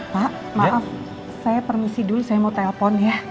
pak maaf saya permisi dulu saya mau telpon ya